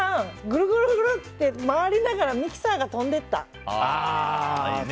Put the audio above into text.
グルグルって回りながらミキサーが飛んでった。